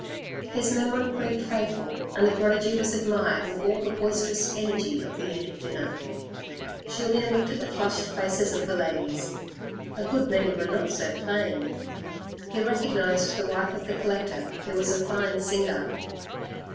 His memory proved faithful and the prodigy was admired with all the boisterous energy of the end of dinner. Julien looked at the flushed faces of the ladies. A good many were not so plain. He recognised the wife of the collector, who was a fine singer.